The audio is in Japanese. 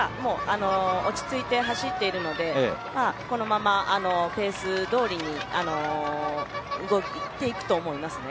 落ち着いて走っているのでこのままペースどおり動いていくと思います。